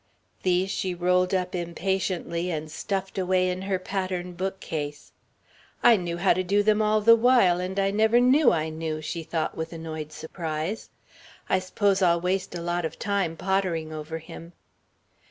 These she rolled up impatiently and stuffed away in her pattern bookcase. "I knew how to do them all the while, and I never knew I knew," she thought with annoyed surprise. "I s'pose I'll waste a lot of time pottering over him."